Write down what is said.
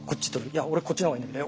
「いや俺こっちの方がいいんだけど」